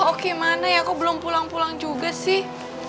aduhh oki mana ya kok belum pulang pulang juga sih